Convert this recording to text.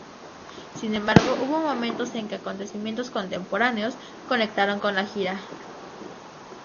Sin embargo, hubo momentos en que acontecimientos contemporáneos conectaron con la gira.